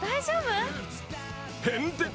へんてこ